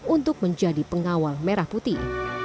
untuk menjadi pengawal merah putih